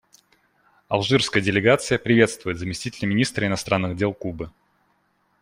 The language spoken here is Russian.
Алжирская делегация приветствует заместителя министра иностранных дел Кубы.